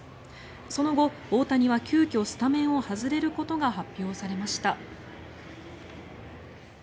その後、大谷は急きょ、スタメンを外れることが発表されました。